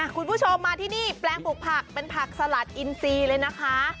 คุณผู้ชมมาที่นี่แปลงปลูกผักเป็นผักสลัดอินซีเลยนะคะ